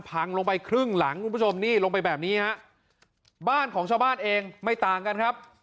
พังลงไปครึ่งหลังคุณผู้ชมนี่ลงไปแบบนี้ฮะบ้านของชาวบ้านเองไม่ต่างกันครับ